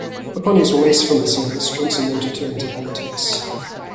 Upon his release from the service, Johnson wanted to enter politics.